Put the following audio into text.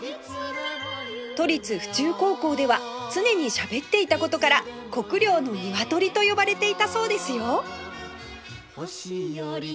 都立府中高校では常にしゃべっていた事から「国領のニワトリ」と呼ばれていたそうですよ